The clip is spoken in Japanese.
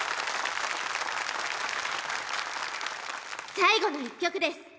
最後の１曲です。